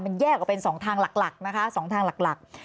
มันแยกออกเป็น๒ทางหลักนะคะ๒ทางหลัก